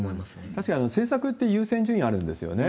確かに政策って優先順位あるんですよね。